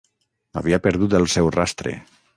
Havia perdut el seu rastre...